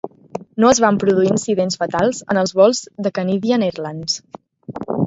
No es van produir incidents fatals en els vols de Canadian Airlines.